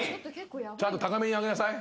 ちゃんと高めに挙げなさい。